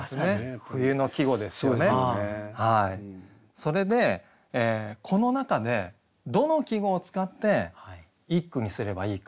それでこの中でどの季語を使って一句にすればいいか。